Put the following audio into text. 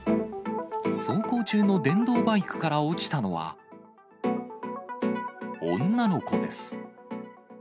走行中の電動バイクから落ちたのは、女の子です。